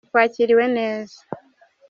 twakiriwe neza.